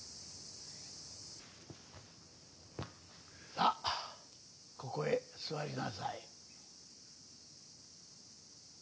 さあここへ座りなさい。